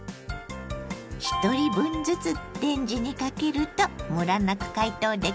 一人分ずつレンジにかけるとムラなく解凍できますよ。